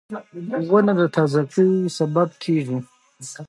• ونه د تازهګۍ سبب ګرځي.